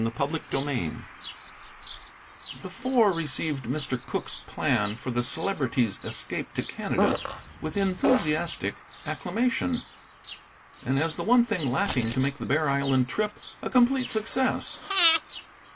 CHAPTER XII The Four received Mr. Cooke's plan for the Celebrity's escape to Canada with enthusiastic acclamation, and as the one thing lacking to make the Bear Island trip a complete success.